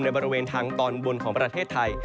บริเวณทางตอนบนของประเทศไทย